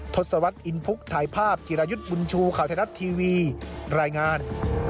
ทศวรรษอินพุกถ่ายภาพจิรายุทธ์บุญชูข่าวไทยรัฐทีวีรายงาน